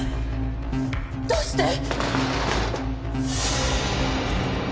どうして！？